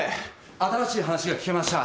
新しい話が聞けました。